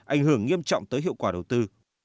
ảnh hưởng nghiêm trọng tới hiệu quả đầu tư